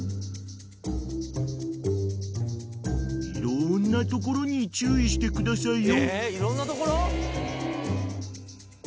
［いろんなところに注意してくださいよ］